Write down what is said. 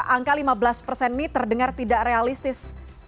angka lima belas persen ini terdengar tidak realistis